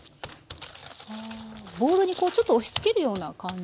ボウルにこうちょっと押しつけるような感じなんですね。